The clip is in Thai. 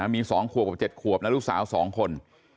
มีสองขวบกับเจ็ดขวบนะลูกสาวสองคน